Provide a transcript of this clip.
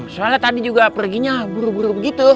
soalnya tadi juga perginya buru buru begitu